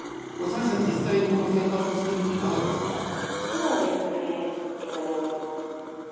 実際にこの生活されてみていかがでしたか？